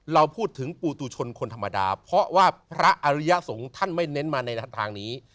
เราพูดถึงปูตุชนคนธรรมดาเพราะว่าพระอริยสงฆ์ท่านไม่เน้นมาในทางนี้